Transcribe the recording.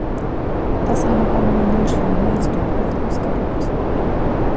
Das aber habe man den Schwaben als Dummheit ausgelegt.